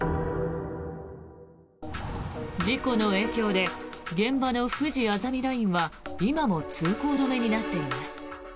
事故の影響で現場のふじあざみラインは今も通行止めになっています。